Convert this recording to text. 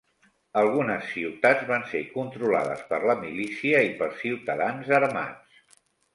Algunes ciutats van ser controlades per la milícia i per ciutadans armats.